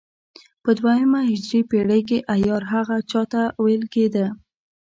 په دوهمه هجري پېړۍ کې عیار هغه چا ته ویل کېده.